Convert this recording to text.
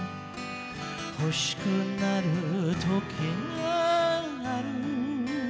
「欲しくなる時がある」